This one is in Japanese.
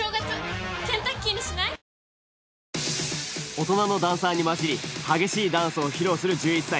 大人のダンサーに交じり激しいダンスを披露する１１歳